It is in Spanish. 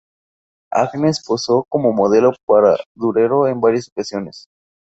Agnes posó como modelo para Durero en varias ocasiones.